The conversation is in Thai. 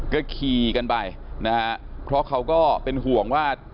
ก็ขี่กันไปนะฮะเพราะเขาก็เป็นห่วงว่า